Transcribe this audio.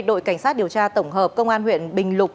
đội cảnh sát điều tra tổng hợp công an huyện bình lục